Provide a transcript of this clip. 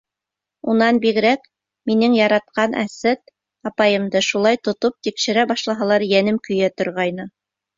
Унан бигерәк, минең яратҡан Асет апайымды шулай тотоп тикшерә башлаһалар, йәнем көйә торғайны.